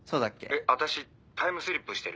えっ私タイムスリップしてる？